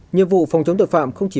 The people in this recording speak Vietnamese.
nhiệm vụ phòng chống tội phạm không chỉ